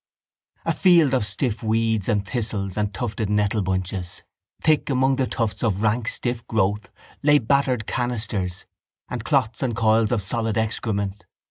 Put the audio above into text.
A field of stiff weeds and thistles and tufted nettle bunches. Thick among the tufts of rank stiff growth lay battered canisters and clots and coils of solid excrement.